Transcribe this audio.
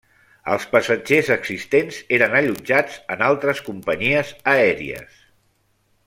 Els passatgers existents eren allotjats en altres companyies aèries.